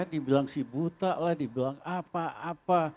dibilang si buta lah dibilang apa apa